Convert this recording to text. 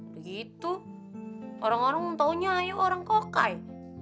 begitu orang orang mau taunya ayah orang kokai